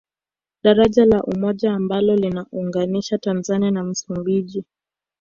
Daraja la Umoja ambalo lina unganisha Tanzania na Msumbiji